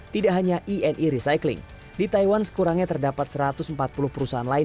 tidak hanya ini recycling di taiwan sekurangnya terdapat satu ratus empat puluh perusahaan lain